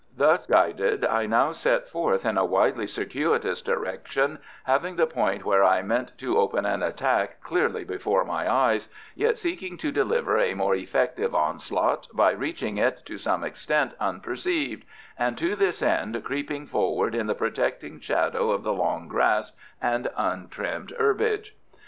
Thus guided I now set forth in a widely circuitous direction, having the point where I meant to open an attack clearly before my eyes, yet seeking to deliver a more effective onslaught by reaching it to some extent unperceived and to this end creeping forward in the protecting shadow of the long grass and untrimmed herbage.